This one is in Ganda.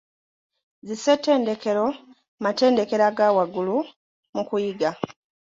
Zi ssettendekero matendekero aga waggulu mu kuyiga.